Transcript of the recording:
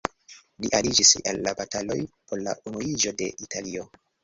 Li aliĝis al la bataloj por la unuiĝo de Italio.